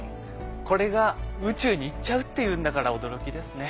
これが宇宙に行っちゃうっていうんだから驚きですね。